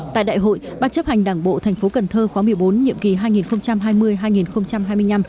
tại đại hội bác chấp hành đảng bộ tp cn khóa một mươi bốn nhiệm kỳ hai nghìn hai mươi hai nghìn hai mươi năm